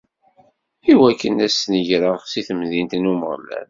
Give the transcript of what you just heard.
Iwakken ad snegreɣ si temdint n Umeɣlal.